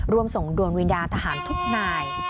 ส่งดวงวิญญาณทหารทุกนาย